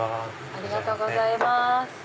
ありがとうございます。